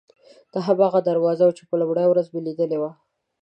دا هماغه دروازه وه چې په لومړۍ ورځ مې لیدلې وه.